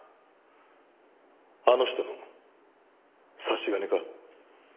あの人の差し金か？